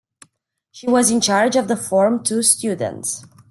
She was in charge of the Form Two students.